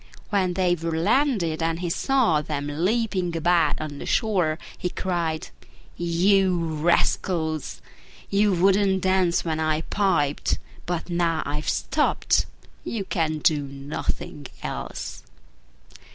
When they were landed and he saw them leaping about on the shore, he cried, "You rascals! you wouldn't dance when I piped: but now I've stopped, you can do nothing else!"